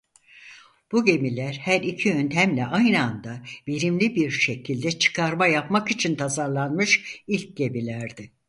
Bu gemiler her iki yöntemle aynı anda verimli bir şekilde çıkarma yapmak için tasarlanmış ilk gemilerdi.